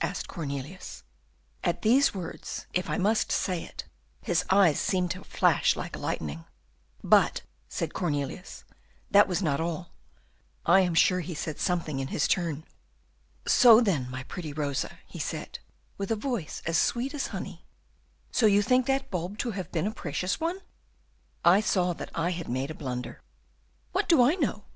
asked Cornelius. "At these words, if I must say it, his eyes seemed to flash like lightning." "But," said Cornelius, "that was not all; I am sure he said something in his turn." "'So, then, my pretty Rosa,' he said, with a voice as sweet a honey, 'so you think that bulb to have been a precious one?' "I saw that I had made a blunder. "'What do I know?